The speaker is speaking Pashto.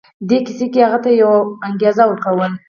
دې کيسې هغه ته يوه انګېزه ورکوله.